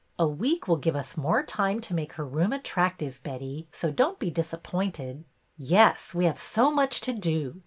" A week will give us more time to make her room attractive, Betty, so don't be disappointed." '' Yes, we have so much to do.